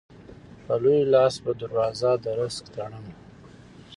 په لوی لاس به دروازه د رزق تړمه